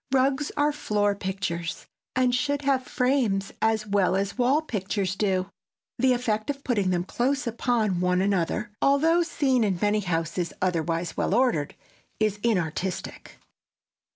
Rugs are floor pictures and should have frames as well as wall pictures do. The effect of putting them close upon one another, though seen in many houses otherwise well ordered, is inartistic.